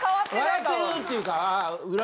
笑ってるっていうかああ。